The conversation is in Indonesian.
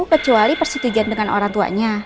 kecuali persetujuan dengan orang tuanya